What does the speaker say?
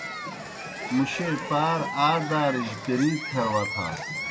مُشیئے پار آ دارِجیْ پیرِید کھر وتھاس۔